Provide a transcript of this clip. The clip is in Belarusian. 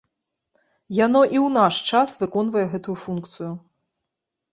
Яно і ў наш час выконвае гэту функцыю.